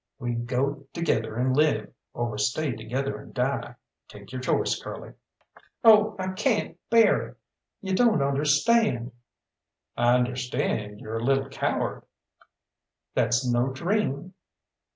"We go together and live, or we stay together and die. Take your choice, Curly." "Oh, I cayn't bear it you don't understand!" "I understand you're a little coward!" "That's no dream."